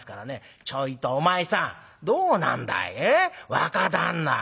若旦那。